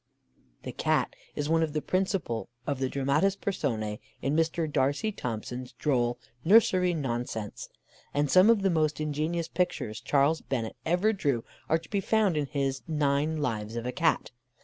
The Cat is one of the principal of the dramatis personæ in Mr. D'Arcy Thompson's droll Nursery Nonsense; and some of the most ingenious pictures Charles Bennett ever drew are to be found in his Nine Lives of a Cat.